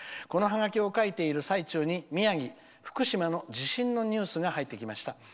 このハガキを書いている最中に宮城・福島の地震のニュースが入ってきました。